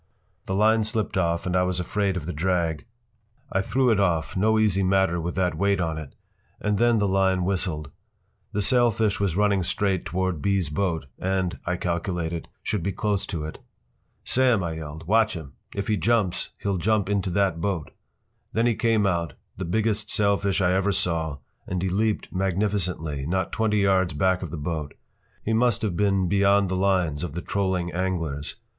The line slipped off and I was afraid of the drag. I threw it off—no easy matter with that weight on it—and then the line whistled. The sailfish was running straight toward B.’s boat and, I calculated, should be close to it. “Sam,” I yelled, “watch him! If he jumps he’ll jump into that boat!” Then he came out, the biggest sailfish I ever saw, and he leaped magnificently, not twenty yards back of that boat. He must have been beyond the lines of the trolling anglers.